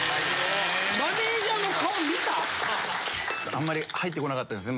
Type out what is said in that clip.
あんまり入ってこなかったですね。